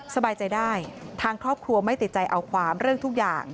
สบายใจได้ทางครอบครัวไม่ติดใจเอาความเรื่องทุกอย่าง